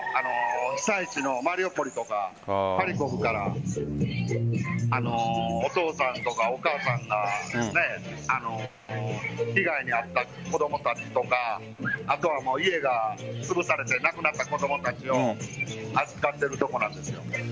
被災地のマリウポリとかハリコフからお父さんやお母さんが被害に遭った子供たちとかあとは家がつぶされてなくなった子供たちを預かっているところなんです。